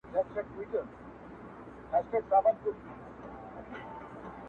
o د ژوندون ساه د ژوند وږمه ماته كړه.